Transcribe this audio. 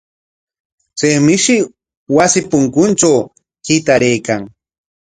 Chay mishi wasi punkutraw hitaraykan.